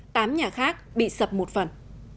tám nhà khác bị sập một phần